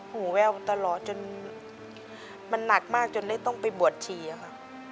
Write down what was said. แววตลอดจนมันหนักมากจนได้ต้องไปบวชชีอะค่ะ